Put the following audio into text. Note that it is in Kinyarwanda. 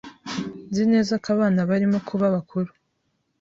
Nzi neza ko abana barimo kuba bakuru.